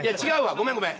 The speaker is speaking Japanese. ごめんごめん。